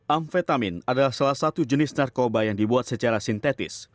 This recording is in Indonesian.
amfetamin adalah salah satu jenis narkoba yang dibuat secara sintetis